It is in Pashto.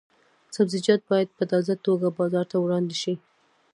سبزیجات باید په تازه توګه بازار ته وړاندې شي.